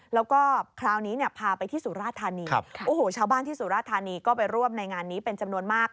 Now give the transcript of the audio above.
แล้วก็คราวนี้เนี่ยพาไปที่สุราธานีโอ้โหชาวบ้านที่สุราธานีก็ไปร่วมในงานนี้เป็นจำนวนมาก